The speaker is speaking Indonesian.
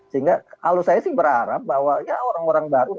sehingga kalau saya sih berharap bahwa ya orang orang baru